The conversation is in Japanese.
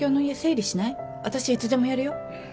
私いつでもやるよ。